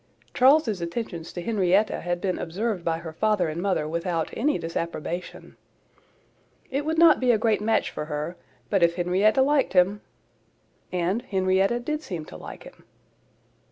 Charles's attentions to Henrietta had been observed by her father and mother without any disapprobation. "It would not be a great match for her; but if Henrietta liked him,"—and Henrietta did seem to like him.